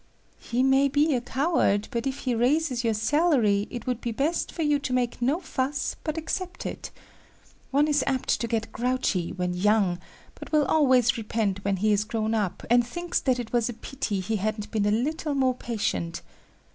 "He may be a coward, but if he raises your salary, it would be best for you to make no fuss, but accept it. One is apt to get grouchy when young, but will always repent when he is grown up and thinks that it was pity he hadn't been a little more patient.